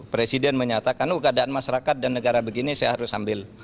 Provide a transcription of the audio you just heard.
presiden menyatakan keadaan masyarakat dan negara begini saya harus ambil